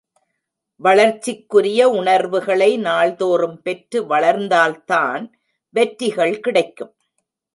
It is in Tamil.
வளர்ச்சிக்குரிய உணர்வுகளை நாள் தோறும் பெற்று வளர்ந்தால்தான் வெற்றிகள் கிடைக்கும்.